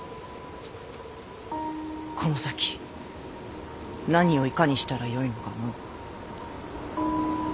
この先何をいかにしたらよいのかの。